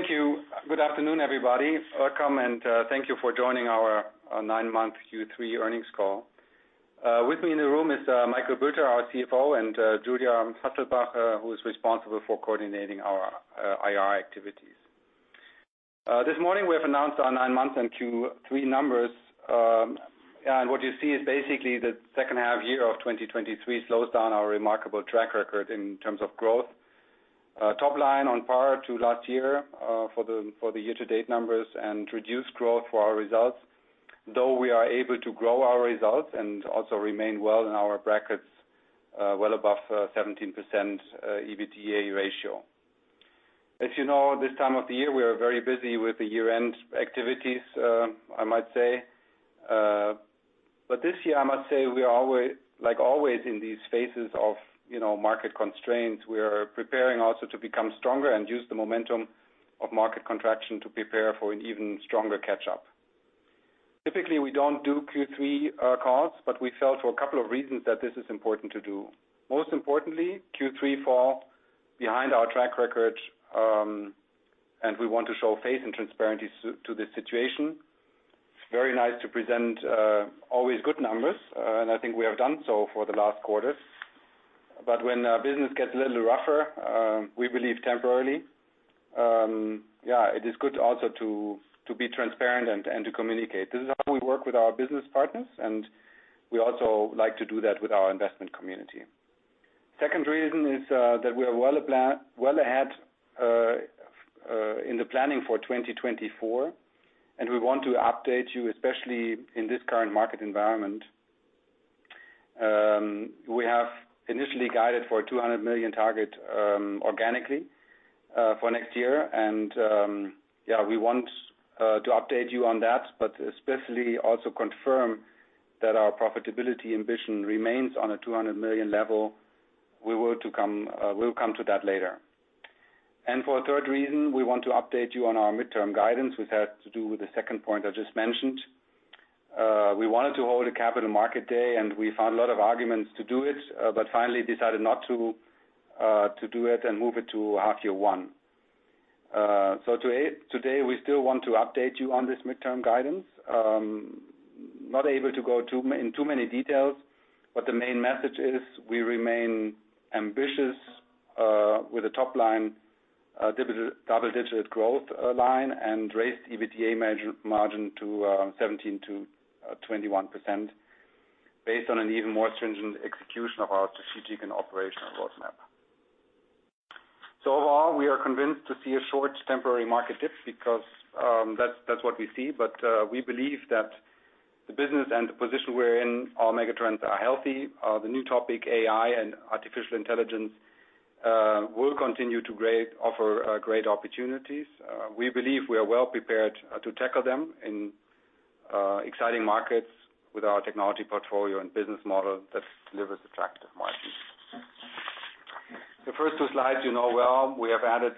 Thank you. Good afternoon, everybody. Welcome, and thank you for joining our nine-month Q3 earnings call. With me in the room is Michael Bülter, our CFO, and Julia Haßelbach, who is responsible for coordinating our IR activities. This morning we have announced our nine-month and Q3 numbers. What you see is basically the second half year of 2023 slows down our remarkable track record in terms of growth. Top line on par to last year, for the year-to-date numbers and reduced growth for our results, though we are able to grow our results and also remain well in our brackets, well above 17% EBITDA ratio. As you know, this time of the year, we are very busy with the year-end activities, I might say. But this year, I must say, we are always like always in these phases of, you know, market constraints, we are preparing also to become stronger and use the momentum of market contraction to prepare for an even stronger catch-up. Typically, we don't do Q3 calls, but we felt for a couple of reasons that this is important to do. Most importantly, Q3 fell behind our track record, and we want to show faith and transparency to this situation. It's very nice to present always good numbers, and I think we have done so for the last quarters. But when business gets a little rougher, we believe temporarily, yeah, it is good also to be transparent and to communicate. This is how we work with our business partners, and we also like to do that with our investment community. Second reason is that we are well ahead in the planning for 2024, and we want to update you, especially in this current market environment. We have initially guided for a 200 million target, organically, for next year. We want to update you on that, but especially also confirm that our profitability ambition remains on a 200 million level. We'll come to that later. For a third reason, we want to update you on our midterm guidance, which has to do with the second point I just mentioned. We wanted to hold a Capital Market Day, and we found a lot of arguments to do it, but finally decided not to do it and move it to half year one. So today, we still want to update you on this midterm guidance. Not able to go in too many details, but the main message is we remain ambitious with the top line double-digit growth line and raise EBITDA margin to 17%-21%, based on an even more stringent execution of our strategic and operational roadmap. So overall, we are convinced to see a short temporary market dip because that's what we see. But we believe that the business and the position we're in, our megatrends are healthy. The new topic, AI and artificial intelligence, will continue to offer great opportunities. We believe we are well prepared to tackle them in exciting markets with our technology portfolio and business model that delivers attractive margins. The first two slides you know well, we have added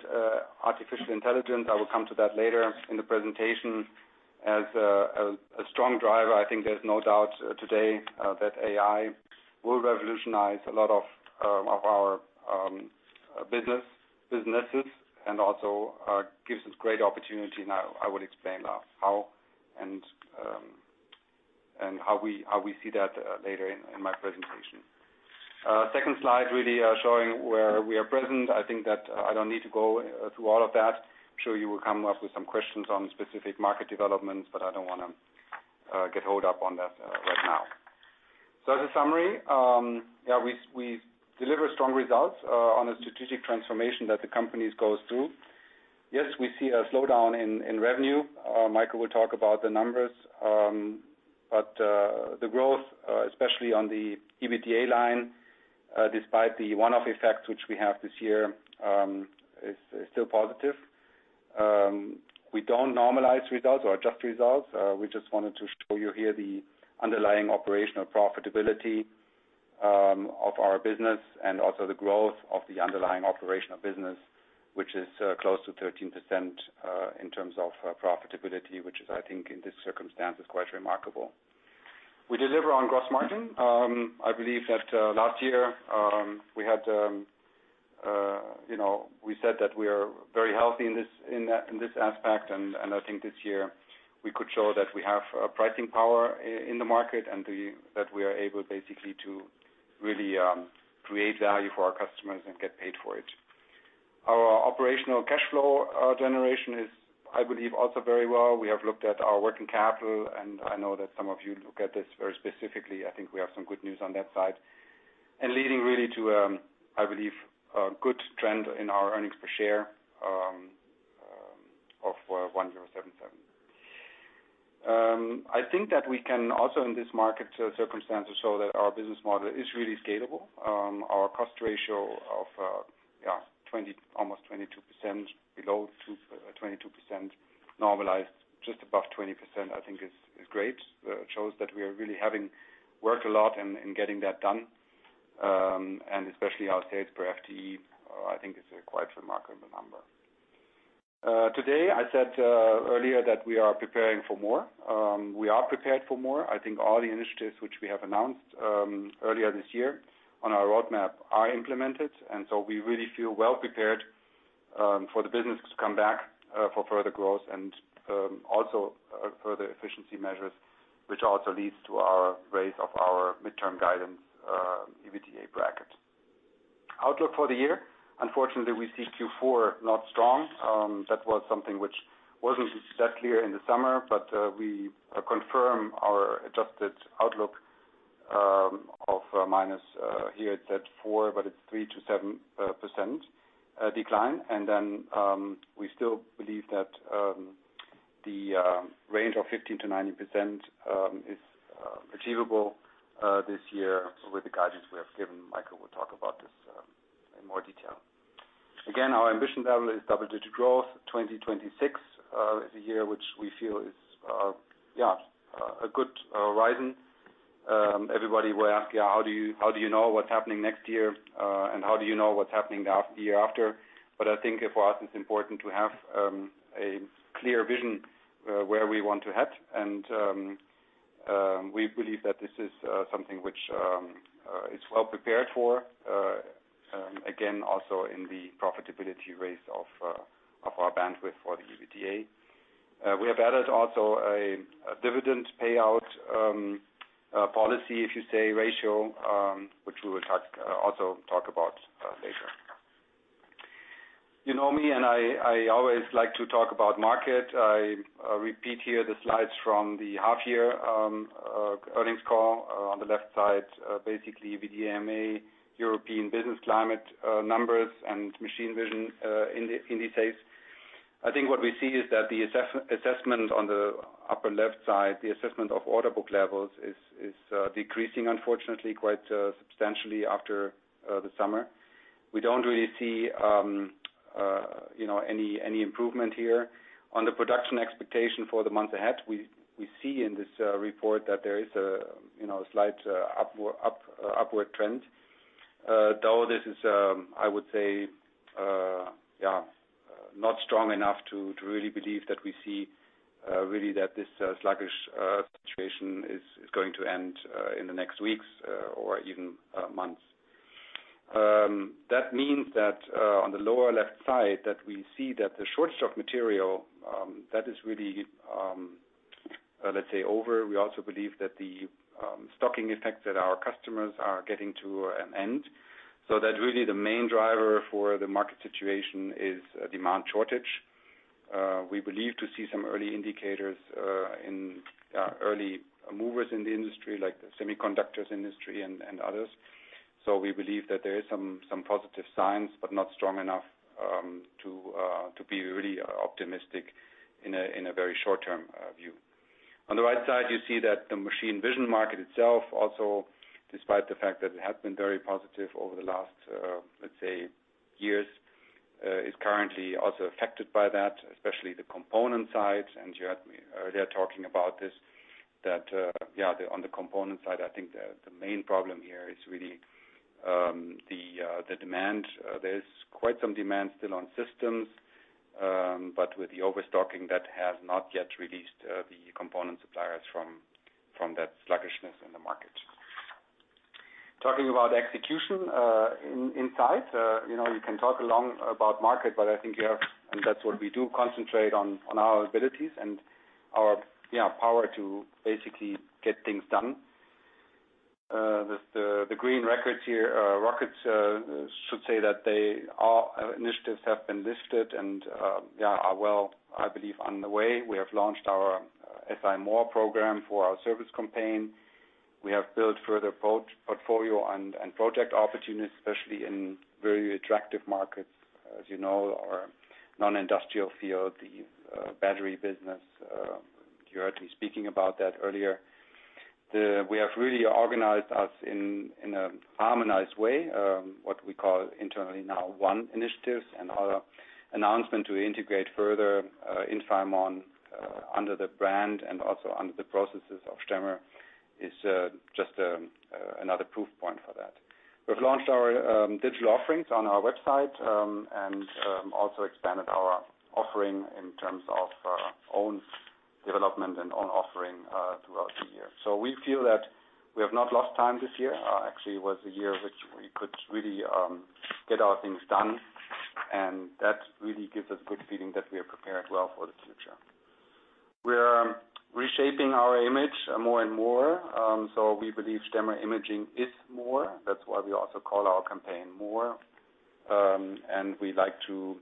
artificial intelligence. I will come to that later in the presentation. As a strong driver, I think there's no doubt today that AI will revolutionize a lot of our businesses, and also gives us great opportunity. Now, I will explain how and how we see that later in my presentation. Second slide, really, showing where we are present. I think that I don't need to go through all of that. I'm sure you will come up with some questions on specific market developments, but I don't wanna get hold up on that right now. So as a summary, yeah, we deliver strong results on a strategic transformation that the company goes through. Yes, we see a slowdown in revenue. Michael will talk about the numbers, but the growth, especially on the EBITDA line, despite the one-off effects which we have this year, is still positive. We don't normalize results or adjust results. We just wanted to show you here the underlying operational profitability of our business and also the growth of the underlying operational business, which is close to 13%, in terms of profitability, which, I think, in this circumstance, is quite remarkable. We deliver on gross margin. I believe that last year we had you know we said that we are very healthy in this in that in this aspect, and I think this year we could show that we have a pricing power in the market and that we are able basically to really create value for our customers and get paid for it. Our operational cash flow generation is, I believe, also very well. We have looked at our working capital, and I know that some of you look at this very specifically. I think we have some good news on that side. Leading really to, I believe, a good trend in our earnings per share of 1.77 euro. I think that we can also, in this market circumstances, show that our business model is really scalable. Our cost ratio of, twenty, almost 22%, below two, 22%, normalized just above 20%, I think is great. It shows that we are really having worked a lot in getting that done. And especially our sales per FTE, I think is a quite remarkable number. Today, I said, earlier that we are preparing for more. We are prepared for more. I think all the initiatives which we have announced, earlier this year on our roadmap are implemented, and so we really feel well prepared. For the business to come back, for further growth and also further efficiency measures, which also leads to our raise of our midterm guidance, EBITDA bracket. Outlook for the year, unfortunately, we see Q4 not strong. That was something which wasn't that clear in the summer, but we confirm our adjusted outlook of minus, here it said four, but it's 3%-7% decline. And then, we still believe that the range of 15%-90% is achievable this year with the guidance we have given. Michael will talk about this in more detail. Again, our ambition level is double-digit growth. 2026 is a year which we feel is a good horizon. Everybody will ask you, "How do you, how do you know what's happening next year, and how do you know what's happening the year after?" But I think for us, it's important to have a clear vision where we want to head, and we believe that this is something which is well prepared for. Again, also in the profitability rates of our bandwidth for the EBITDA. We have added also a dividend payout policy, if you say ratio, which we will also talk about later. You know me, and I always like to talk about market. I repeat here the slides from the half year earnings call. On the left side, basically, VDMA, European business climate numbers, and machine vision indices. I think what we see is that the assessment on the upper left side, the assessment of order book levels is decreasing, unfortunately, quite substantially after the summer. We don't really see, you know, any improvement here. On the production expectation for the months ahead, we see in this report that there is a, you know, a slight upward trend. Though this is, I would say, yeah, not strong enough to really believe that we see really that this sluggish situation is going to end in the next weeks or even months. That means that, on the lower left side, that we see that the shortage of material that is really, let's say, over. We also believe that the stocking effects that our customers are getting to an end, so that really the main driver for the market situation is a demand shortage. We believe to see some early indicators in early movers in the industry, like the semiconductors industry and others. So we believe that there is some positive signs, but not strong enough to be really optimistic in a very short-term view. On the right side, you see that the machine vision market itself, also, despite the fact that it has been very positive over the last, let's say, years, is currently also affected by that, especially the component side. You heard me earlier talking about this, that, yeah, then on the component side, I think the main problem here is really the demand. There is quite some demand still on systems, but with the overstocking, that has not yet released the component suppliers from that sluggishness in the market. Talking about execution, in inside, you know, you can talk along about market, but I think you have... And that's what we do concentrate on, on our abilities and our, yeah, power to basically get things done. The green records here, rockets, should say that they, our initiatives have been listed and, yeah, are well, I believe, on the way. We have launched our SI MORE program for our service campaign. We have built further portfolio and project opportunities, especially in very attractive markets, as you know, our non-industrial field, the battery business. You heard me speaking about that earlier. We have really organized us in a harmonized way, what we call internally now, One Initiatives. And our announcement to integrate further Infaimon under the brand and also under the processes of Stemmer is just another proof point for that. We've launched our digital offerings on our website and also expanded our offering in terms of own development and own offering throughout the year. So we feel that we have not lost time this year. Actually, it was a year which we could really get our things done, and that really gives us good feeling that we are prepared well for the future. We are reshaping our image more and more. So we believe Stemmer Imaging is more. That's why we also call our campaign MORE. And we like to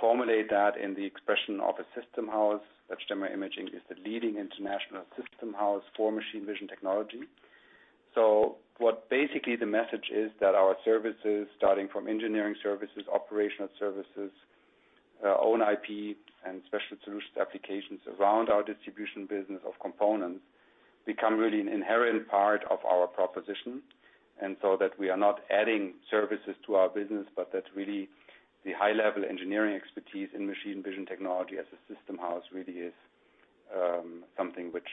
formulate that in the expression of a systems house, which Stemmer Imaging is the leading international systems house for machine vision technology. So what basically the message is that our services, starting from engineering services, operational services, own IP, and special solution applications around our distribution business of components, become really an inherent part of our proposition. So that we are not adding services to our business, but that really the high-level engineering expertise in machine vision technology as a system house really is something which,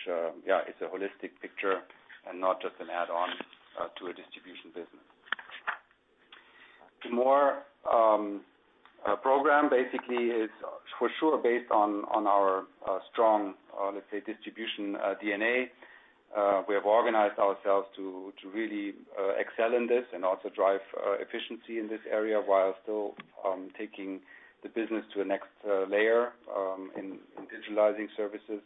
yeah, is a holistic picture and not just an add-on to a distribution business. MORE program basically is for sure based on our strong, let's say, distribution DNA. We have organized ourselves to really excel in this and also drive efficiency in this area, while still taking the business to the next layer in digitalizing services.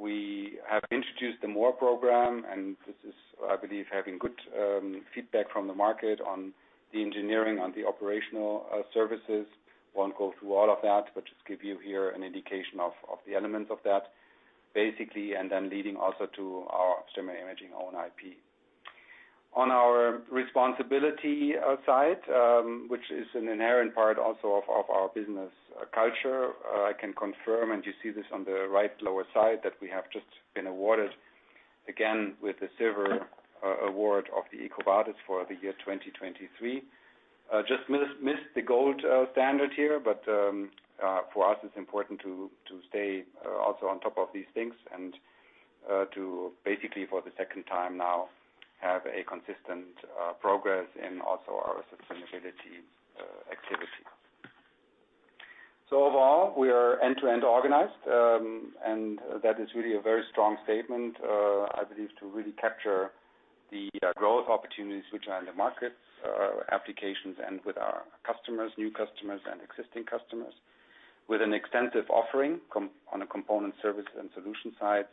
We have introduced the MORE program, and this is, I believe, having good feedback from the market on the engineering, on the operational services. Won't go through all of that, but just give you here an indication of the elements of that, basically, and then leading also to our thermal imaging own IP. On our responsibility side, which is an inherent part also of our business culture. I can confirm, and you see this on the right lower side, that we have just been awarded again with the Silver Award of the EcoVadis for the year 2023. Just missed the gold standard here, but for us, it's important to stay also on top of these things and to basically, for the second time now, have a consistent progress in also our sustainability activity. So overall, we are end-to-end organized, and that is really a very strong statement, I believe, to really capture the growth opportunities which are in the market, applications, and with our customers, new customers, and existing customers. With an extensive offering on the component service and solution sides,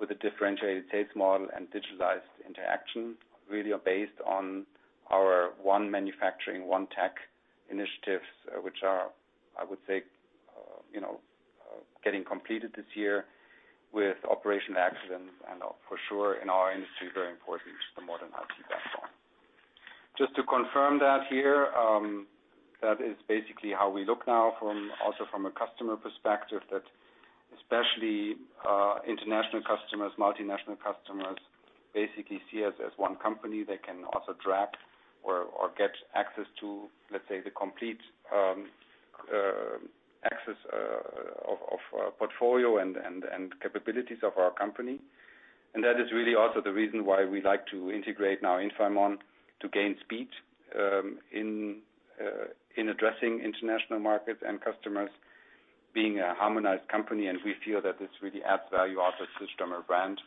with a differentiated sales model and digitalized interaction, really are based on our One Manufacturing, One Tech initiatives, which are, I would say, you know, getting completed this year with operational excellence, and for sure, in our industry, very important, the modern IT backbone. Just to confirm that here, that is basically how we look now from also from a customer perspective, that especially international customers, multinational customers, basically see us as one company. They can also track or get access to, let's say, the complete access of portfolio and capabilities of our company. That is really also the reason why we like to integrate now Infaimon to gain speed in addressing international markets and customers, being a harmonized company. We feel that this really adds value also to the Stemmer brand,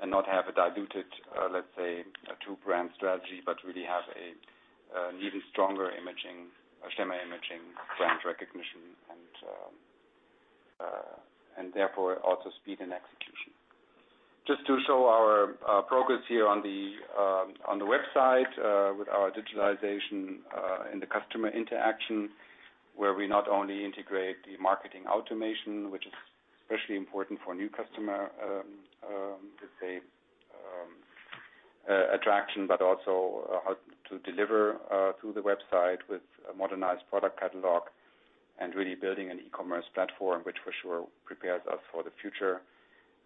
and not have a diluted, let's say, a two-brand strategy, but really have a really stronger imaging Stemmer imaging brand recognition, and therefore, also speed and execution. Just to show our progress here on the website with our digitalization and the customer interaction, where we not only integrate the marketing automation, which is especially important for new customer attraction. But also, how to deliver through the website with a modernized product catalog and really building an e-commerce platform, which for sure prepares us for the future,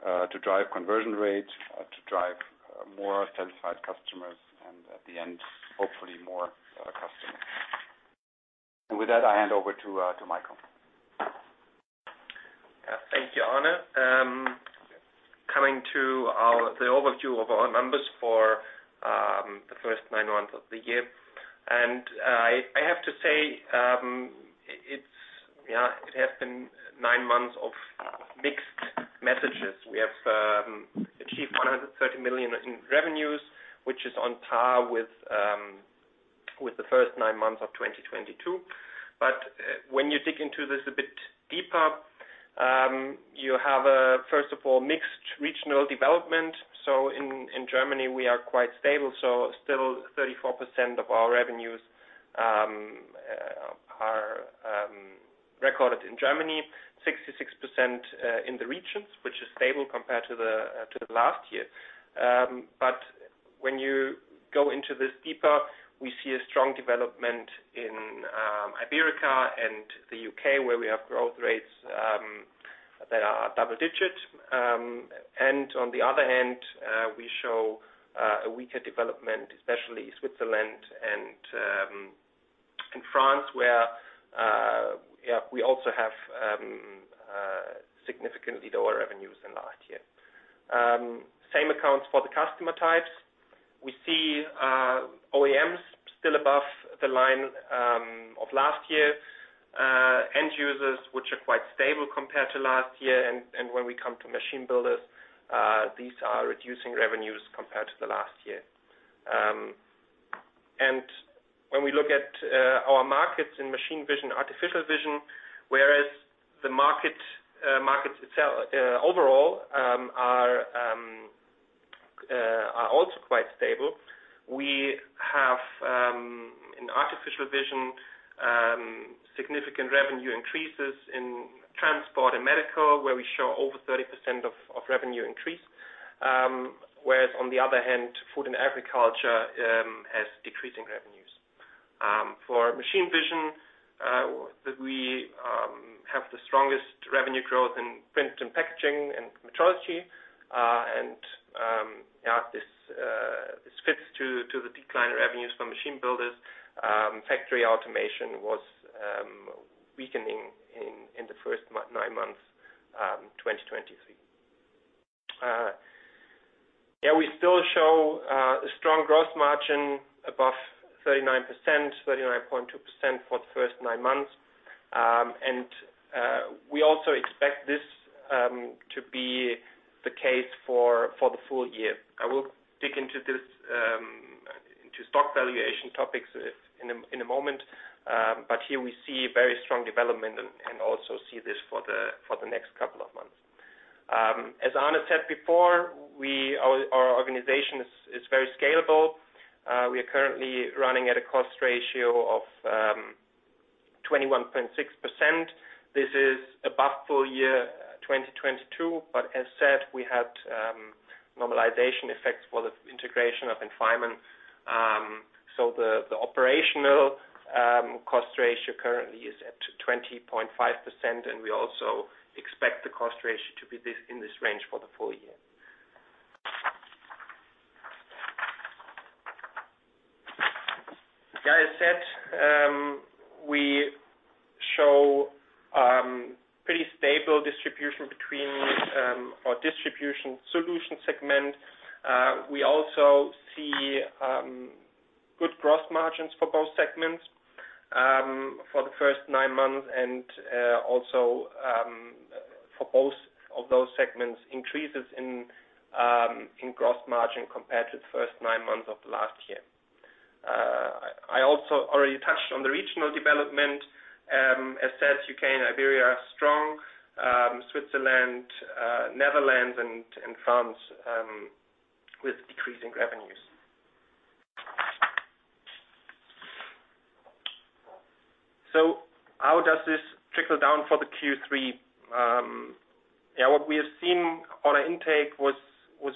to drive conversion rates, to drive more satisfied customers, and at the end, hopefully, more customers. And with that, I hand over to to Michael. Yeah. Thank you, Arne. Coming to our, the overview of our numbers for the first nine months of the year. And I have to say, it's, yeah, it has been nine months of mixed messages. We have achieved 130 million in revenues, which is on par with the first nine months of 2022. But when you dig into this a bit deeper, you have a, first of all, mixed regional development. So in Germany, we are quite stable, so still 34% of our revenues are recorded in Germany, 66% in the regions, which is stable compared to the last year. But when you go into this deeper, we see a strong development in Iberia and the U.K., where we have growth rates that are double-digit. And on the other hand, we show a weaker development, especially Switzerland and in France, where yeah, we also have significantly lower revenues than last year. Same accounts for the customer types. We see OEMs still above the line of last year. End users, which are quite stable compared to last year, and when we come to machine builders, these are reducing revenues compared to the last year. And when we look at our markets in machine vision, Artificial Vision, whereas the markets overall are also quite stable. We have in artificial vision significant revenue increases in transport and medical, where we show over 30% revenue increase. Whereas on the other hand, food and agriculture has decreasing revenues. For machine vision, we have the strongest revenue growth in print and packaging and metrology, and this fits to the decline in revenues for machine builders. Factory automation was weakening in the first nine months, 2023. Strong gross margin above 39%, 39.2% for the first nine months. And we also expect this to be the case for the full year. I will dig into this, into stock valuation topics in a moment, but here we see very strong development and also see this for the next couple of months. As Anna said before, our organization is very scalable. We are currently running at a cost ratio of 21.6%. This is above full year 2022, but as said, we had normalization effects for the integration of Infaimon. So the operational cost ratio currently is at 20.5%, and we also expect the cost ratio to be in this range for the full year. As I said, we show pretty stable distribution between our distribution solution segment. We also see good gross margins for both segments, for the first nine months and also for both of those segments, increases in gross margin compared to the first nine months of last year. I also already touched on the regional development. As said, U.K. and Iberia are strong, Switzerland, Netherlands, and France with decreasing revenues. So how does this trickle down for the Q3? Yeah, what we have seen, order intake was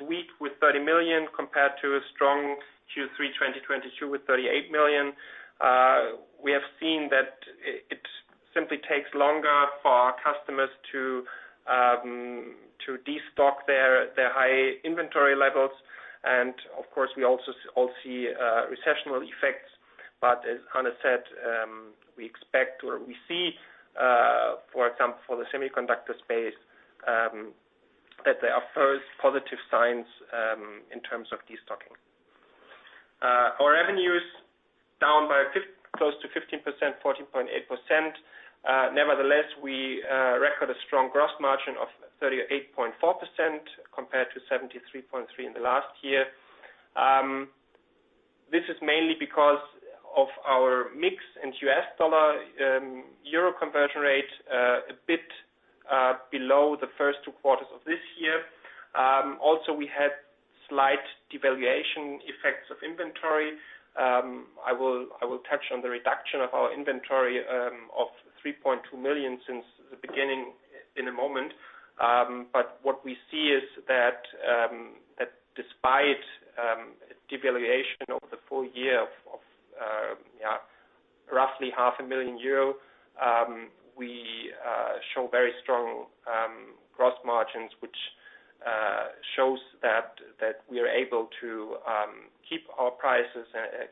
weak, with 30 million, compared to a strong Q3 2022, with 38 million. We have seen that it simply takes longer for our customers to destock their high inventory levels, and of course, we also all see recessional effects. But as Anna said, we expect or we see, for example, for the semiconductor space, that there are first positive signs, in terms of destocking. Our revenues down by close to 15%, 14.8%. Nevertheless, we record a strong gross margin of 38.4% compared to 73.3% in the last year. This is mainly because of our mix in U.S. dollar, euro conversion rate, a bit below the first two quarters of this year. Also, we had slight devaluation effects of inventory. I will touch on the reduction of our inventory, of 3.2 million since the beginning, in a moment. But what we see is that despite devaluation over the full year of roughly 500,000 euro, we show very strong gross margins, which shows that we are able to keep our prices,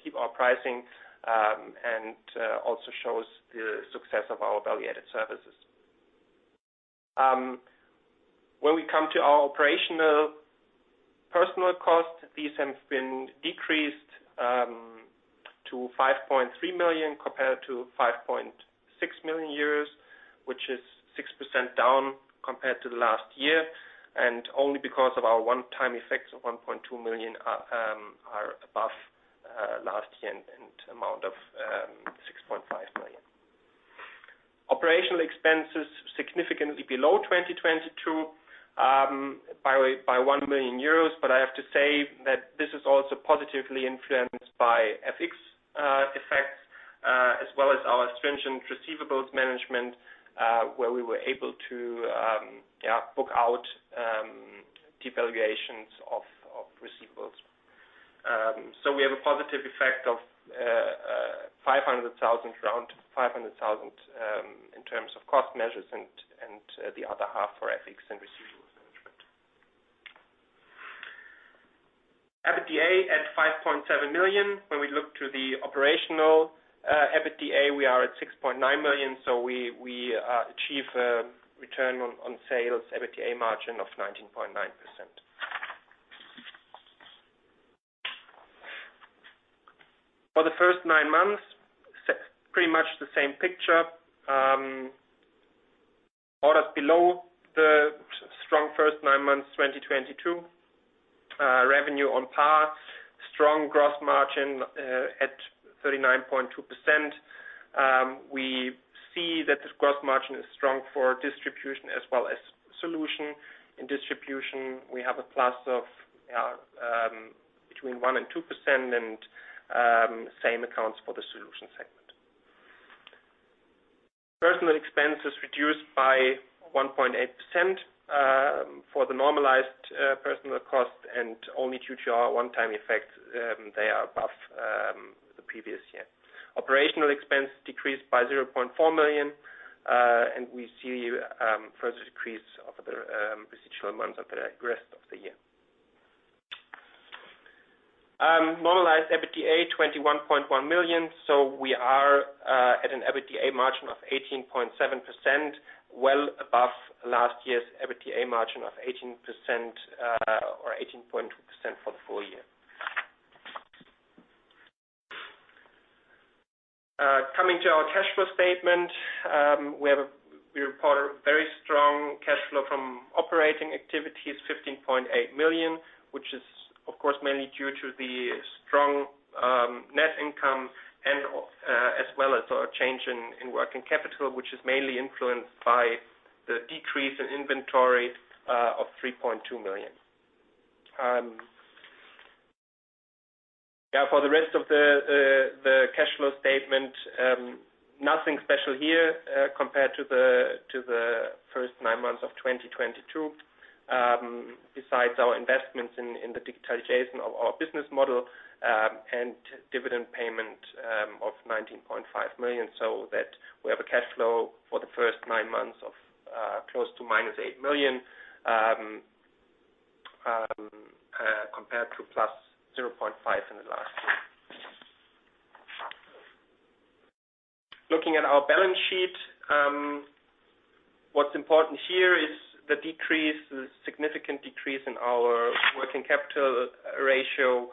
keep our pricing, and also shows the success of our value-added services. When we come to our operational personnel costs, these have been decreased to 5.3 million, compared to 5.6 million euros, which is 6% down compared to last year, and only because of our one-time effects of 1.2 million are above last year and amount of 6.5 million. Operational expenses significantly below 2022 by 1 million euros. But I have to say that this is also positively influenced by FX effects, as well as our stringent receivables management, where we were able to book out devaluations of receivables. So we have a positive effect of 500,000, around 500,000, in terms of cost measures and the other half for FX and receivables management. EBITDA at 5.7 million. When we look to the operational EBITDA, we are at 6.9 million, so we achieve a return on sales, EBITDA margin of 19.9%. For the first nine months, pretty much the same picture. Orders below the strong first nine months, 2022. Revenue on par, strong gross margin at 39.2%. We see that the gross margin is strong for distribution as well as solution. In distribution, we have a plus of between 1% and 2%, and same accounts for the solution segment. Personnel expenses reduced by 1.8%, for the normalized personnel cost and only Q1 one-time effect, they are above the previous year. Operational expenses decreased by 0.4 million, and we see further decrease over the residual months of the rest of the year. As EBITDA, 21.1 million, so we are at an EBITDA margin of 18.7%, well above last year's EBITDA margin of 18% or 18.2% for the full year. Coming to our cash flow statement, we report a very strong cash flow from operating activities, 15.8 million, which is, of course, mainly due to the strong net income and as well as our change in working capital, which is mainly influenced by the decrease in inventory of 3.2 million. Yeah, for the rest of the cash flow statement, nothing special here compared to the first nine months of 2022. Besides our investments in the digitalization of our business model and dividend payment of 19.5 million, so that we have a cash flow for the first nine months of close to -8 million compared to +0.5 million in the last. Looking at our balance sheet, what's important here is the decrease, the significant decrease in our working capital ratio,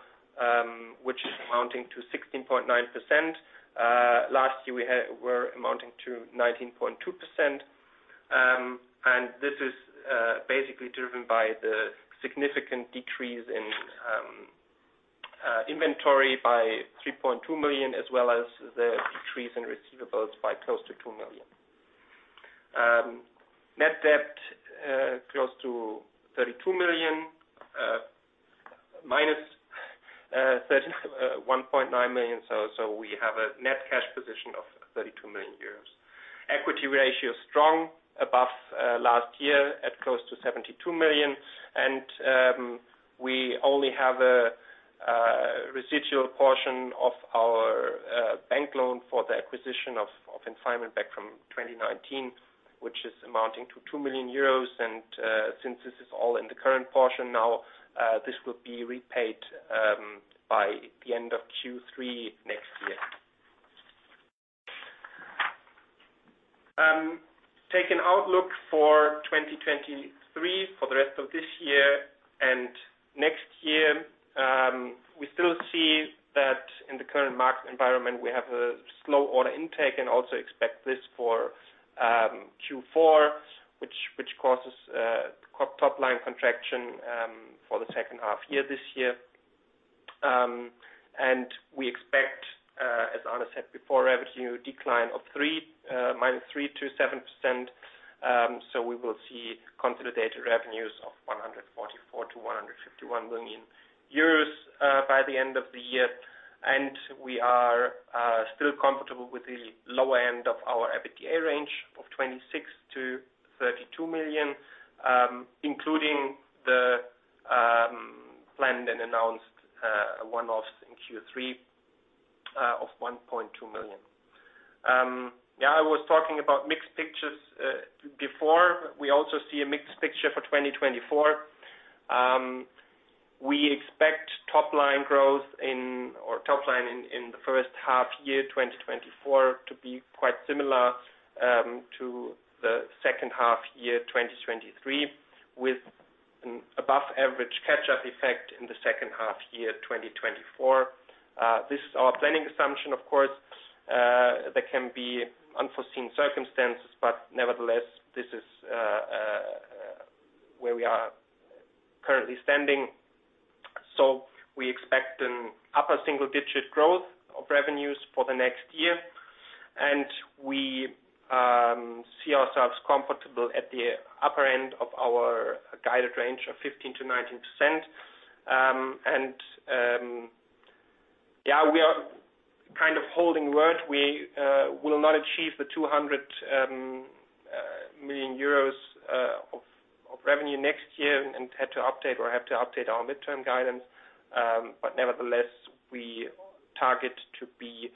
which is amounting to 16.9%. Last year, we were amounting to 19.2%. And this is basically driven by the significant decrease in inventory by 3.2 million, as well as the decrease in receivables by close to 2 million. Net debt close to 32 million minus 1.9 million. So we have a net cash position of 32 million euros. Equity ratio is strong, above last year at close to 72 million, and we only have a residual portion of our bank loan for the acquisition of Infaimon back from 2019, which is amounting to 2 million euros. Since this is all in the current portion now, this will be repaid by the end of Q3 next year. Take an outlook for 2023, for the rest of this year and next year, we still see that in the current market environment, we have a slow order intake and also expect this for Q4, which causes top line contraction for the second half year this year. And we expect, as Arne said before, revenue decline of -3% to -7%. So we will see consolidated revenues of 144 million-151 million euros by the end of the year. We are still comfortable with the lower end of our EBITDA range of 26 million-32 million, including the planned and announced one-offs in Q3 of 1.2 million. Yeah, I was talking about mixed pictures before. We also see a mixed picture for 2024. We expect top line growth in, or top line in, in the first half year, 2024, to be quite similar to the second half year, 2023, with an above average catch-up effect in the second half year, 2024. This is our planning assumption, of course. There can be unforeseen circumstances, but nevertheless, this is where we are currently standing. So we expect an upper single-digit growth of revenues for the next year, and we see ourselves comfortable at the upper end of our guided range of 15%-19%. Yeah, we are kind of holding word. We will not achieve the 200 million euros of revenue next year and had to update or have to update our midterm guidance. But nevertheless, we target to be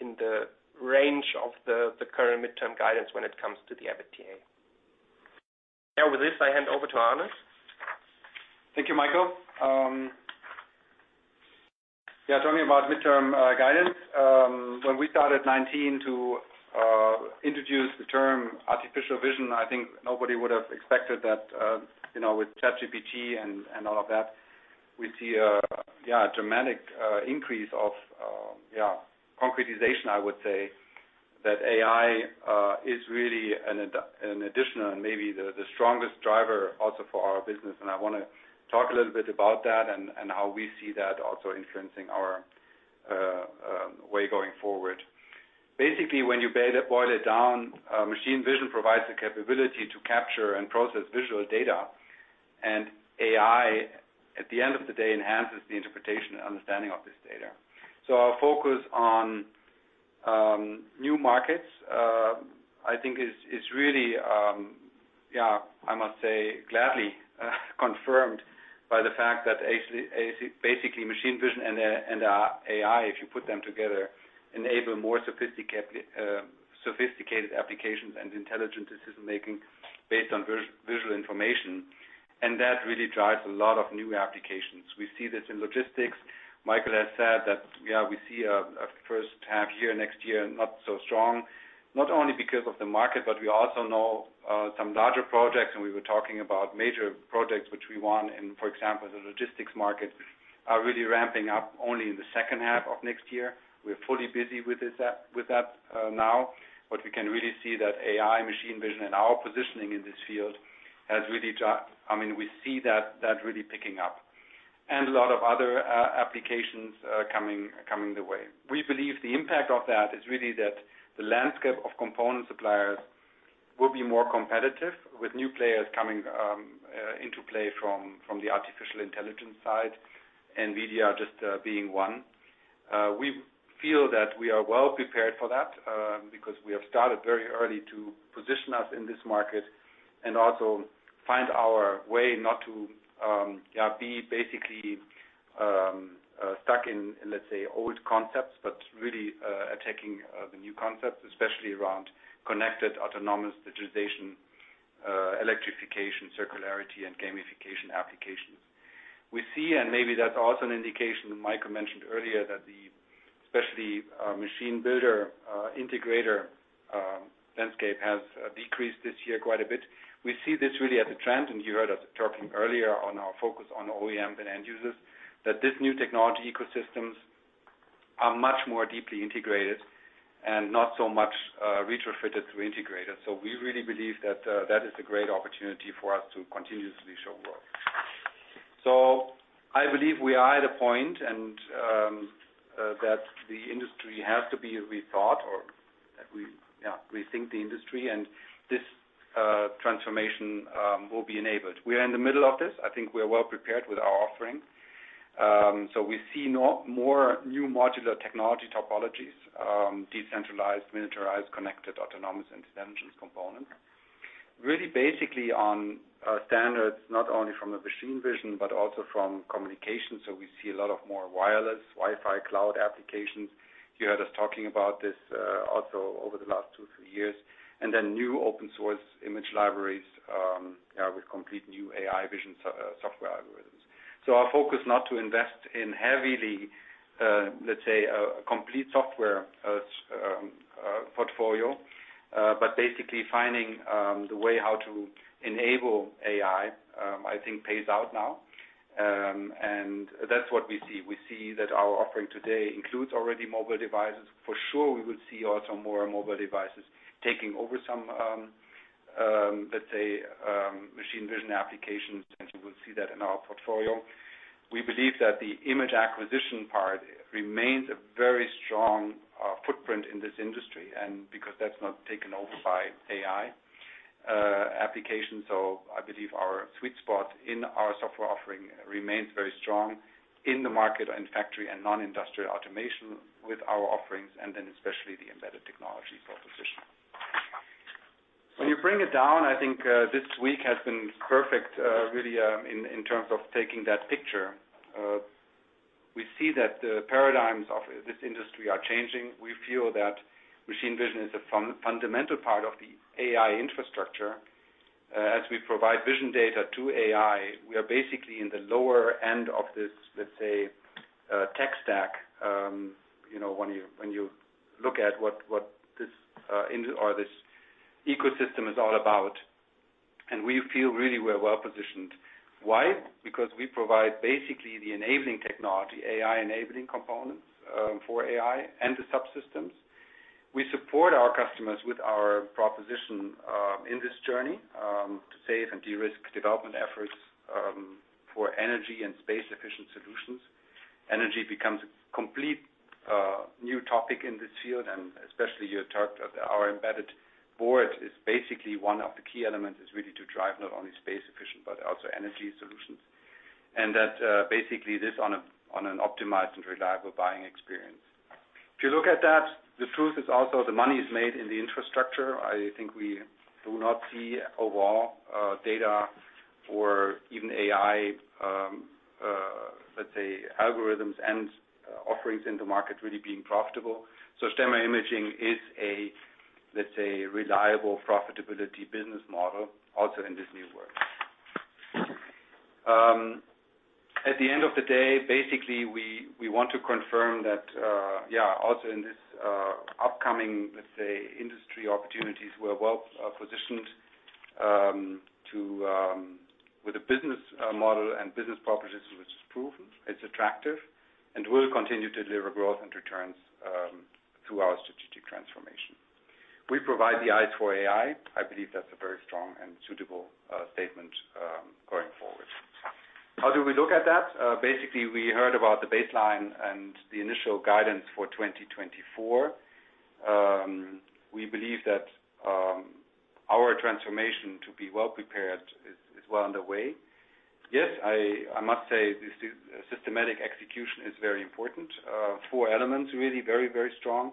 in the range of the current midterm guidance when it comes to the EBITDA. Now, with this, I hand over to Arne. Thank you, Michael. Yeah, talking about midterm guidance. When we started 2019 to introduce the term Artificial Vision, I think nobody would have expected that, you know, with ChatGPT and all of that, we see a dramatic increase of concretization, I would say, that AI is really an additional and maybe the strongest driver also for our business. And I wanna talk a little bit about that and how we see that also influencing our way going forward. Basically, when you boil it down, machine vision provides the capability to capture and process visual data, and AI, at the end of the day, enhances the interpretation and understanding of this data. So our focus on new markets, I think is really, yeah, I must say, gladly, confirmed by the fact that basically, machine vision and AI, if you put them together, enable more sophisticated applications and intelligent decision-making based on visual information, and that really drives a lot of new applications. We see this in logistics. Michael has said that, yeah, we see a first half year next year, not so strong, not only because of the market, but we also know some larger projects, and we were talking about major projects which we won in, for example, the logistics market, are really ramping up only in the second half of next year. We're fully busy with this with that now, but we can really see that AI, machine vision, and our positioning in this field has really, I mean, we see that really picking up, and a lot of other applications coming the way. We believe the impact of that is really that the landscape of component suppliers will be more competitive, with new players coming into play from the artificial intelligence side, NVIDIA just being one. We feel that we are well prepared for that, because we have started very early to position us in this market and also find our way not to be basically stuck in, let's say, old concepts, but really attacking the new concepts, especially around connected, autonomous, digitization, electrification, circularity, and gamification applications. We see, and maybe that's also an indication that Michael mentioned earlier, that the especially, machine builder, integrator, landscape has, decreased this year quite a bit. We see this really as a trend, and you heard us talking earlier on our focus on OEMs and end users, that this new technology ecosystems are much more deeply integrated and not so much, retrofitted through integrators. So we really believe that, that is a great opportunity for us to continuously show growth. So I believe we are at a point and, that the industry has to be rethought or that we, rethink the industry, and this, transformation, will be enabled. We are in the middle of this. I think we are well prepared with our offerings. So we see no more new modular technology topologies, decentralized, miniaturized, connected, autonomous, and intelligent components. Really, basically on standards, not only from a machine vision, but also from communication. So we see a lot more wireless, Wi-Fi, cloud applications. You heard us talking about this, also over the last two, three years. And then new open source image libraries, with complete new AI vision software algorithms. So our focus not to invest in heavily, let's say, a complete software portfolio, but basically finding the way how to enable AI, I think pays out now. And that's what we see. We see that our offering today includes already mobile devices. For sure, we will see also more mobile devices taking over some, let's say, machine vision applications, and you will see that in our portfolio. We believe that the image acquisition part remains a very strong footprint in this industry, and because that's not taken over by AI applications. So I believe our sweet spot in our software offering remains very strong in the market and factory and non-industrial automation with our offerings, and then especially the embedded technology proposition. When you bring it down, I think, this week has been perfect, really, in terms of taking that picture. We see that the paradigms of this industry are changing. We feel that machine vision is a fundamental part of the AI infrastructure. As we provide vision data to AI, we are basically in the lower end of this, let's say, tech stack, you know, when you, when you look at what, what this, in or this ecosystem is all about, and we feel really we're well positioned. Why? Because we provide basically the enabling technology, AI enabling components, for AI and the subsystems. We support our customers with our proposition, in this journey, to save and de-risk development efforts, for energy and space efficient solutions. Energy becomes a complete, new topic in this field, and especially you talked, our embedded board is basically one of the key elements, is really to drive not only space efficient, but also energy solutions. And that, basically, this on a, on an optimized and reliable buying experience. If you look at that, the truth is also the money is made in the infrastructure. I think we do not see overall data or even AI, let's say, algorithms and offerings in the market really being profitable. So Stemmer Imaging is a, let's say, reliable profitability business model also in this new world. At the end of the day, basically, we want to confirm that, yeah, also in this upcoming, let's say, industry opportunities, we're well positioned to with a business model and business proposition, which is proven, it's attractive, and will continue to deliver growth and returns through our strategic transformation. We provide the eyes for AI. I believe that's a very strong and suitable statement going forward. How do we look at that? Basically, we heard about the baseline and the initial guidance for 2024. We believe that our transformation to be well prepared is well underway. Yes, I must say this systematic execution is very important. Four elements, really very strong.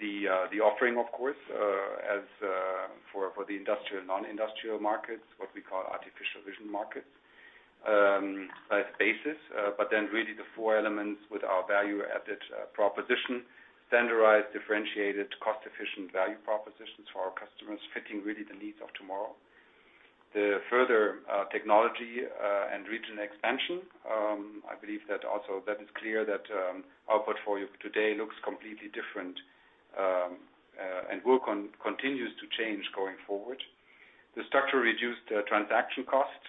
The offering, of course, as for the industrial and non-industrial markets, what we call Artificial Vision markets, basis, but then really the four elements with our value-added proposition, standardized, differentiated, cost-efficient value propositions for our customers, fitting really the needs of tomorrow. The further technology and region expansion, I believe that also is clear that our portfolio today looks completely different, and work on continues to change going forward. The structure reduced transaction costs,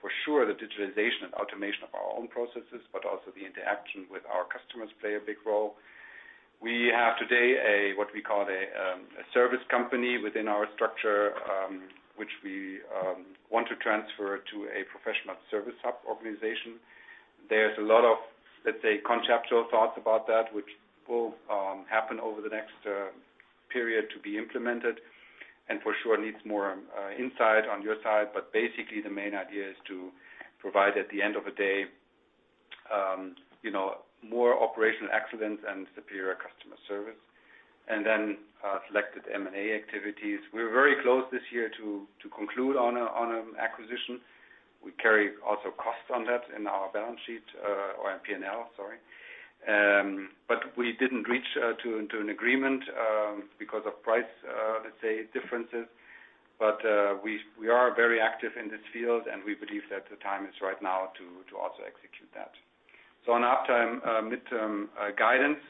for sure, the digitalization and automation of our own processes, but also the interaction with our customers play a big role. We have today a, what we call a, a service company within our structure, which we, want to transfer to a professional service hub organization. There's a lot of, let's say, conceptual thoughts about that, which will happen over the next period to be implemented, and for sure, needs more insight on your side. But basically, the main idea is to provide, at the end of the day, you know, more operational excellence and superior customer service. And then selected M&A activities. We're very close this year to conclude on a, on an acquisition. We carry also costs on that in our balance sheet, or in P&L, sorry. But we didn't reach to an agreement because of price, let's say, differences. But we are very active in this field, and we believe that the time is right now to also execute that. So on our mid-term guidance,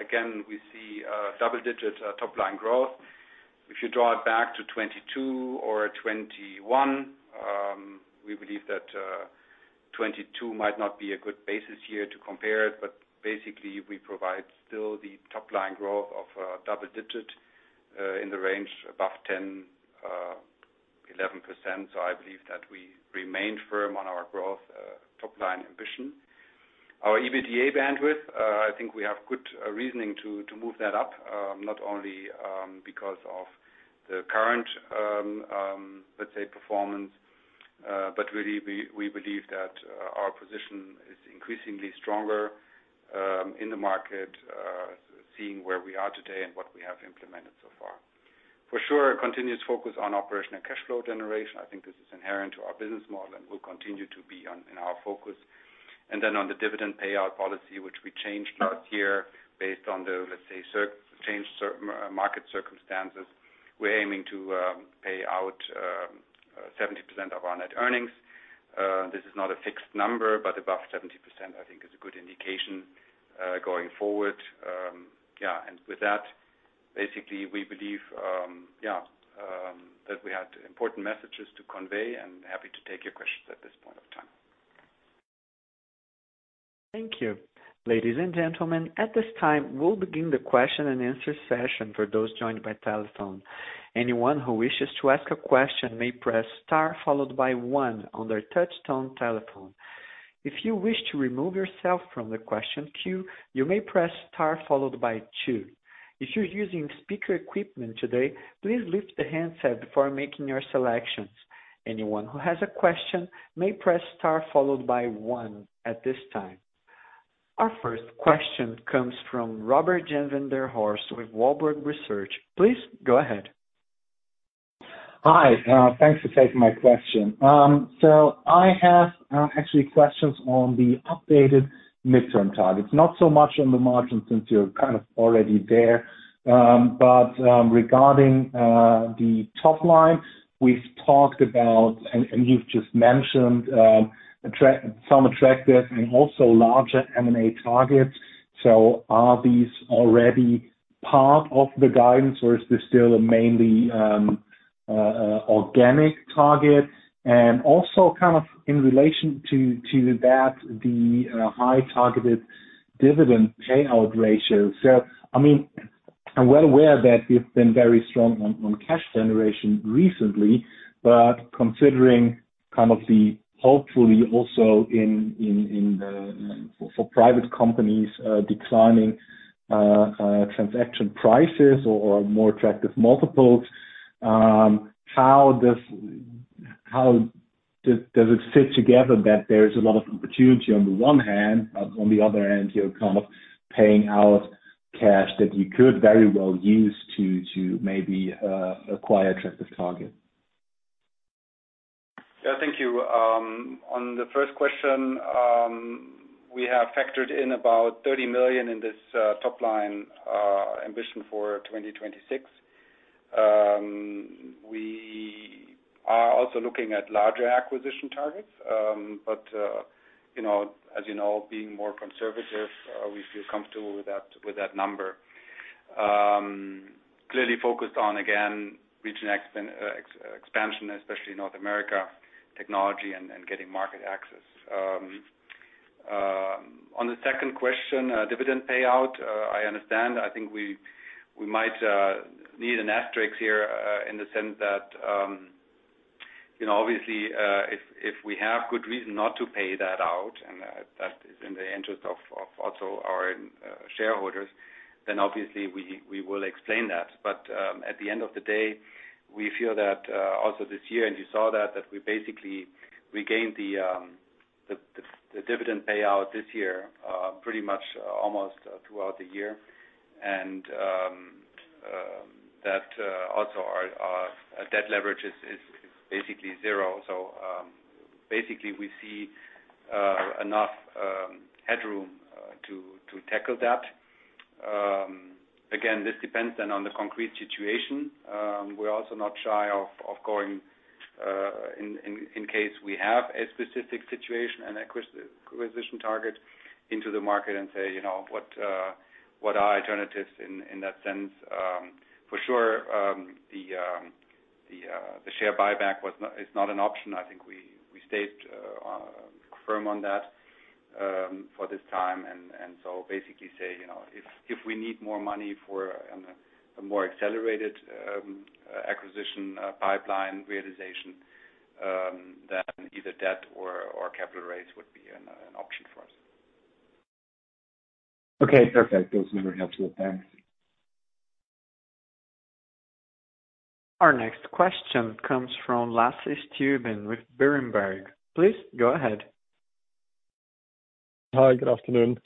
again, we see double-digit top-line growth. If you draw it back to 2022 or 2021, we believe that 2022 might not be a good basis here to compare it, but basically, we provide still the top-line growth of double-digit in the range above 10%-11%. So I believe that we remain firm on our growth top-line ambition. Our EBITDA bandwidth, I think we have good reasoning to move that up, not only because of the current, let's say, performance, but really, we believe that our position is increasingly stronger in the market, seeing where we are today and what we have implemented so far. For sure, a continuous focus on operational cash flow generation. I think this is inherent to our business model and will continue to be in our focus. And then on the dividend payout policy, which we changed last year based on the, let's say, changed market circumstances, we're aiming to pay out 70% of our net earnings. This is not a fixed number, but above 70%, I think, is a good indication going forward. Yeah, and with that, basically, we believe that we had important messages to convey, and happy to take your questions at this point of time. Thank you. Ladies and gentlemen, at this time, we'll begin the question-and-answer session for those joined by telephone. Anyone who wishes to ask a question may press star, followed by one on their touchtone telephone. If you wish to remove yourself from the question queue, you may press star followed by two. If you're using speaker equipment today, please lift the handset before making your selections. Anyone who has a question may press star, followed by one at this time. Our first question comes from Robert-Jan van der Horst with Warburg Research. Please go ahead. Hi, thanks for taking my question. So I have actually questions on the updated midterm targets, not so much on the margin, since you're kind of already there. But regarding the top line, we've talked about and you've just mentioned some attractive and also larger M&A targets. So are these already part of the guidance, or is this still a mainly organic target? And also, kind of in relation to that, the high targeted dividend payout ratio. So I mean, I'm well aware that you've been very strong on cash generation recently, but considering kind of the hopefully also in the for private companies declining transaction prices or more attractive multiples, how does it fit together that there is a lot of opportunity on the one hand, but on the other hand, you're kind of paying out cash that you could very well use to maybe acquire attractive target? Yeah, thank you. On the first question, we have factored in about 30 million in this top line ambition for 2026. We are also looking at larger acquisition targets, but you know, as you know, being more conservative, we feel comfortable with that, with that number. Clearly focused on, again, regional expansion, especially North America, technology and getting market access. On the second question, dividend payout, I understand. I think we might need an asterisk here, in the sense that, you know, obviously, if we have good reason not to pay that out, and that is in the interest of also our shareholders, then obviously we will explain that. But, at the end of the day, we feel that, also this year, and you saw that, that we basically regained the dividend payout this year, pretty much, almost throughout the year. And, that, also our debt leverage is basically zero. So, basically, we see enough headroom to tackle that. Again, this depends then on the concrete situation. We're also not shy of going in case we have a specific situation, an acquisition target into the market and say, you know, what are alternatives in that sense? For sure, the share buyback was not- is not an option. I think we stayed firm on that for this time, and so basically say, you know, if we need more money for a more accelerated acquisition pipeline realization, then either debt or capital raise would be an option for us. Okay, perfect. Those are helpful. Thanks. Our next question comes from Lasse Stüben with Berenberg. Please go ahead. Hi, good afternoon.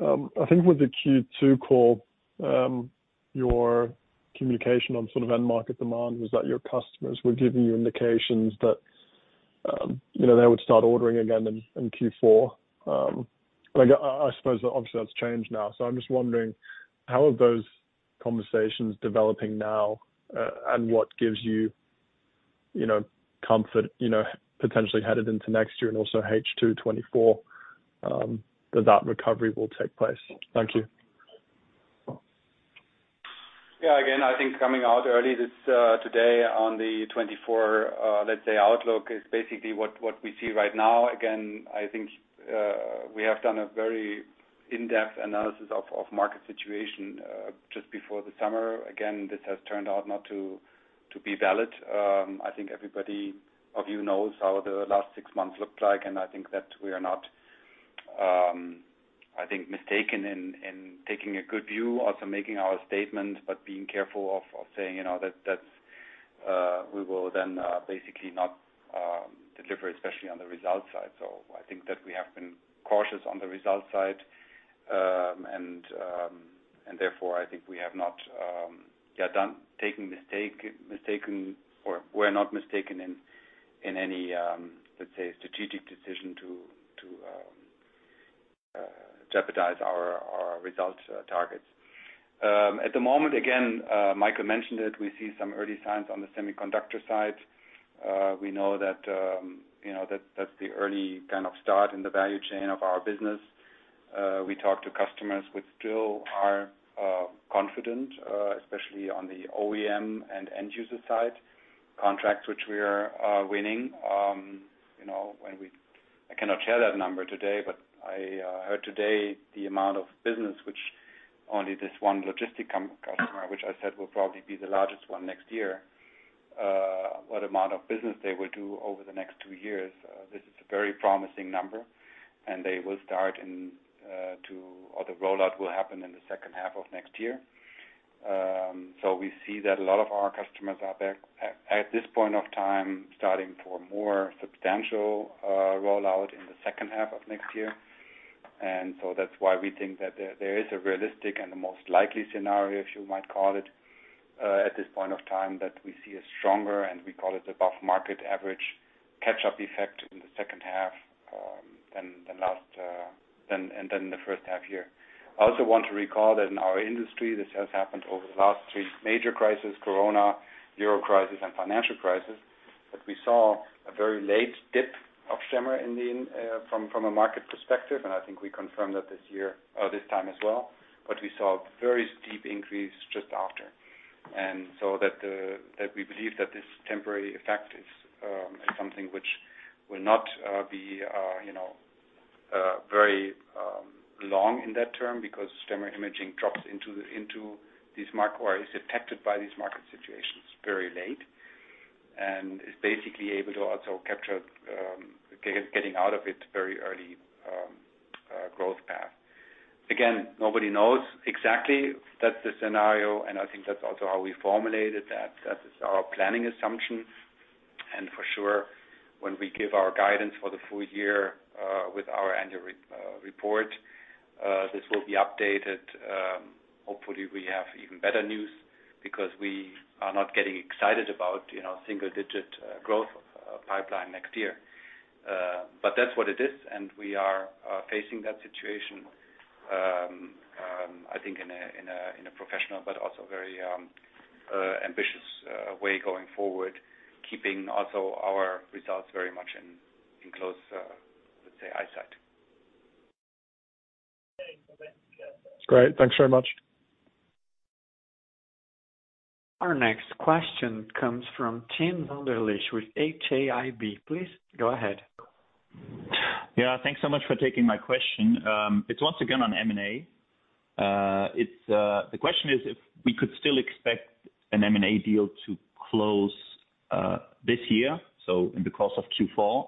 I think with the Q2 call, your communication on sort of end market demand was that your customers were giving you indications that, you know, they would start ordering again in Q4. Like, I suppose obviously that's changed now. So I'm just wondering, how are those conversations developing now, and what gives you, you know, comfort, you know, potentially headed into next year and also H2 2024, that that recovery will take place? Thank you. Yeah, again, I think coming out early this, today on the 2024, let's say, outlook, is basically what, what we see right now. Again, I think, we have done a very in-depth analysis of, of market situation, just before the summer. Again, this has turned out not to, to be valid. I think everybody of you knows how the last six months looked like, and I think that we are not, I think, mistaken in, in taking a good view, also making our statement, but being careful of, of saying, you know, that, that, we will then, basically not, deliver, especially on the results side. So I think that we have been cautious on the results side. Therefore, I think we have not, yeah, or we're not mistaken in any, let's say, strategic decision to jeopardize our result targets. At the moment, again, Michael mentioned it, we see some early signs on the semiconductor side. We know that, you know, that's the early kind of start in the value chain of our business. We talk to customers who still are confident, especially on the OEM and end user side, contracts which we are winning. You know, when I cannot share that number today, but I heard today the amount of business which only this one logistic customer, which I said will probably be the largest one next year, what amount of business they will do over the next two years. This is a very promising number, and they will start in or the rollout will happen in the second half of next year. So we see that a lot of our customers out there, at this point of time, starting for more substantial rollout in the second half of next year. And so that's why we think that there is a realistic and the most likely scenario, if you might call it, at this point of time, that we see a stronger, and we call it above market average, catch-up effect in the second half, than the first half year. I also want to recall that in our industry, this has happened over the last three major crises, Corona, Euro crisis, and financial crisis, that we saw a very late dip in cameras from a market perspective, and I think we confirmed that this year, this time as well. But we saw a very steep increase just after. And so that we believe that this temporary effect is something which will not be, you know, very long in that term, because camera imaging drops into this market or is detected by these market situations very late, and is basically able to also capture getting out of it very early growth path. Again, nobody knows exactly. That's the scenario, and I think that's also how we formulated that. That is our planning assumption. And for sure, when we give our guidance for the full year with our annual report, this will be updated. Hopefully, we have even better news because we are not getting excited about, you know, single-digit growth pipeline next year. But that's what it is, and we are facing that situation. I think in a professional, but also very ambitious way going forward, keeping also our results very much in close, let's say, eyesight. Great. Thanks very much. Our next question comes from Tim Wunderlich with HAIB. Please go ahead. Yeah, thanks so much for taking my question. It's once again on M&A. It's the question is if we could still expect an M&A deal to close this year, so in the course of Q4,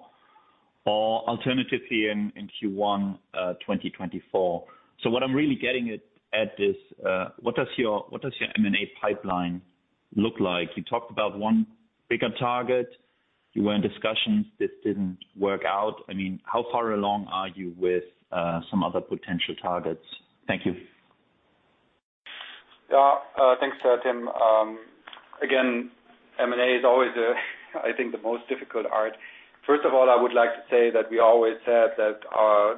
or alternatively, in Q1 2024. So what I'm really getting at this, what does your M&A pipeline look like? You talked about one bigger target. You were in discussions, this didn't work out. I mean, how far along are you with some other potential targets? Thank you. Yeah, thanks, Tim. Again, M&A is always, I think, the most difficult art. First of all, I would like to say that we always said that,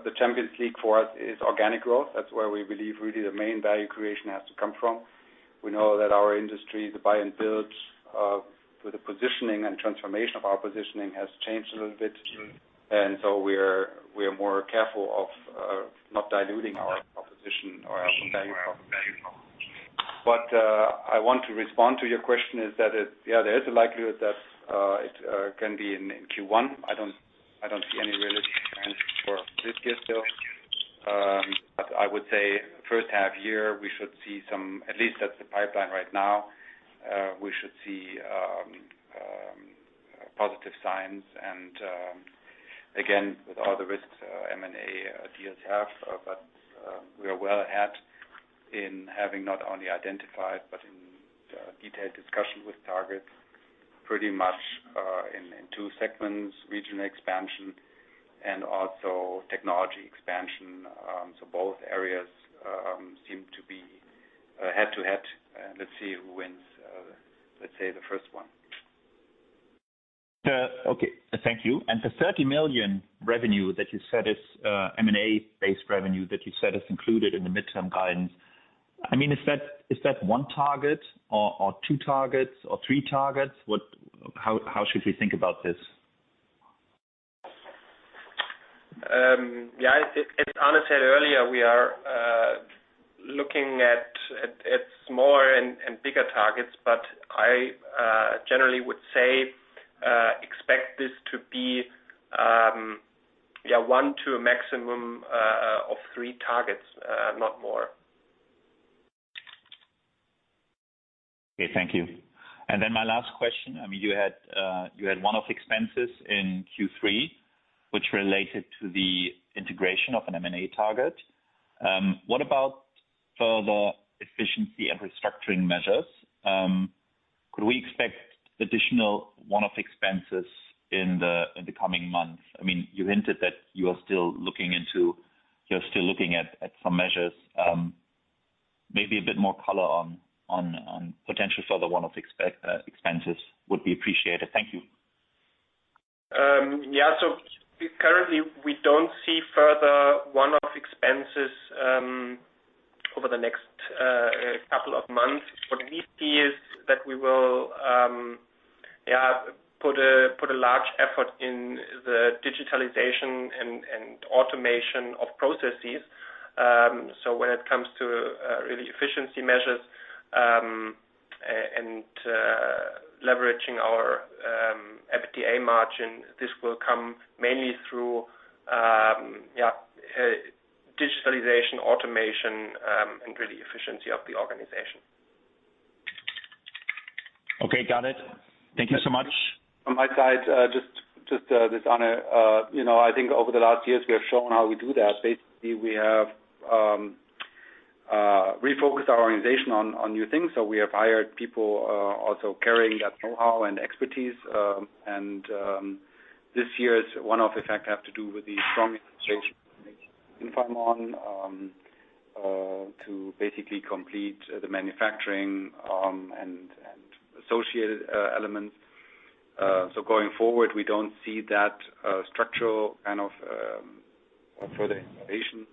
the Champions League for us is organic growth. That's where we believe really the main value creation has to come from. We know that our industry, the buy and build, with the positioning and transformation of our positioning, has changed a little bit. We're more careful of not diluting our proposition or our value proposition. But I want to respond to your question is that, yeah, there is a likelihood that it can be in Q1. I don't see any really chance for this year, still. But I would say first half year, we should see some, at least that's the pipeline right now, we should see positive signs. And again, with all the risks M&A deals have, but we are well ahead in having not only identified, but in detailed discussions with targets pretty much in two segments, regional expansion and also technology expansion. So both areas seem to be head-to-head. Let's see who wins, let's say, the first one. Okay, thank you. The 30 million revenue that you said is M&A-based revenue, that you said is included in the midterm guidance. I mean, is that one target or two targets or three targets? What, how should we think about this? Yeah, as Arne said earlier, we are looking at smaller and bigger targets, but I generally would say expect this to be yeah, 1 to a maximum of 3 targets, not more. Okay, thank you. And then my last question, I mean, you had one-off expenses in Q3, which related to the integration of an M&A target. What about further efficiency and restructuring measures? Could we expect additional one-off expenses in the coming months? I mean, you hinted that you are still looking into—you're still looking at some measures. Maybe a bit more color on potential further one-off expenses would be appreciated. Thank you. Yeah, so currently, we don't see further one-off expenses over the next couple of months. What we see is that we will, yeah, put a large effort in the digitalization and automation of processes. So when it comes to really efficiency measures and leveraging our EBITDA margin, this will come mainly through, yeah, digitalization, automation, and really efficiency of the organization. Okay, got it. Thank you so much. On my side, just this, Arne, you know, I think over the last years, we have shown how we do that. Basically, we have refocused our organization on new things. So we have hired people also carrying that know-how and expertise. And this year's one-off effect have to do with the strong situation in Infaimon to basically complete the manufacturing and associated elements. So going forward, we don't see that structural kind of further innovation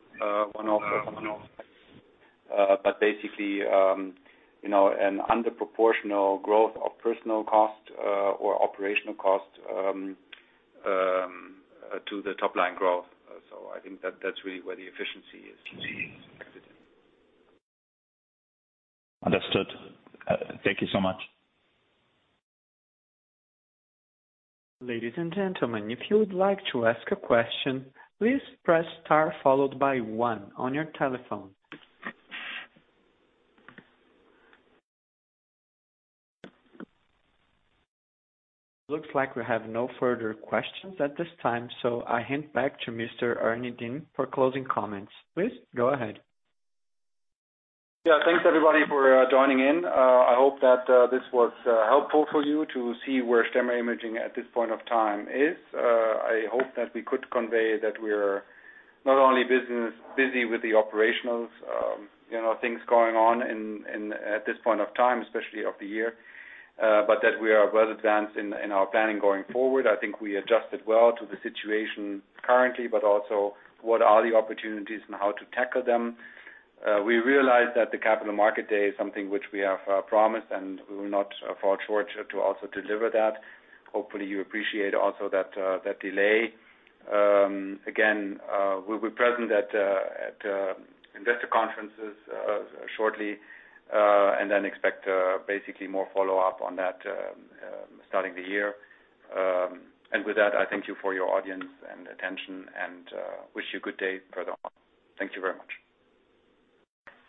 one-off, but basically you know an underproportional growth of personnel cost or operational cost to the top line growth. So I think that that's really where the efficiency is. Understood. Thank you so much. Ladies and gentlemen, if you would like to ask a question, please press star followed by one on your telephone. Looks like we have no further questions at this time, so I hand back to Mr. Arne Dehn for closing comments. Please, go ahead. Yeah, thanks, everybody, for joining in. I hope that this was helpful for you to see where Stemmer Imaging at this point of time is. I hope that we could convey that we're not only busy with the operational, you know, things going on in, in-- at this point of time, especially of the year, but that we are well advanced in, in our planning going forward. I think we adjusted well to the situation currently, but also what are the opportunities and how to tackle them. We realize that the Capital Market Day is something which we have promised, and we will not fall short to also deliver that. Hopefully, you appreciate also that, that delay. Again, we'll be present at investor conferences shortly, and then expect basically more follow-up on that starting the year. And with that, I thank you for your audience and attention and wish you a good day further on. Thank you very much.